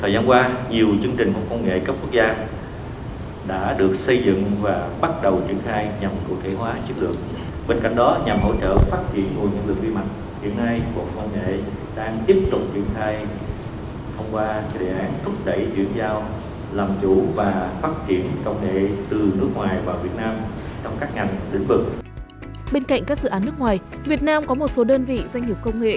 bên cạnh các dự án nước ngoài việt nam có một số đơn vị doanh nghiệp công nghiệp